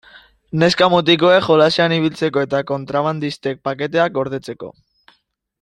Neska-mutikoek jolasean ibiltzeko eta kontrabandistek paketeak gordetzeko.